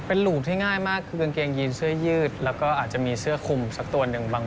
เป็นหลุมที่ง่ายมากคือกางเกงยีนเสื้อยืดแล้วก็อาจจะมีเสื้อคุมสักตัวหนึ่งบาง